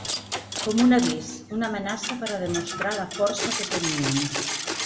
Com un avís, una amenaça per a demostrar la força que tenien.